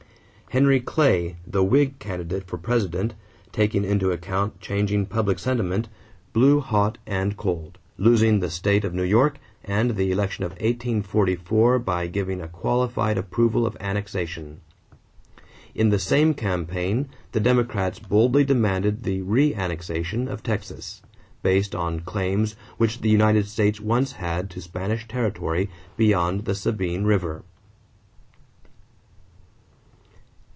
Henry Clay, the Whig candidate for President, taking into account changing public sentiment, blew hot and cold, losing the state of New York and the election of 1844 by giving a qualified approval of annexation. In the same campaign, the Democrats boldly demanded the "Reannexation of Texas," based on claims which the United States once had to Spanish territory beyond the Sabine River.